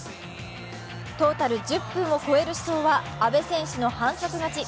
トータル１０分を超える死闘は阿部選手の反則勝ち。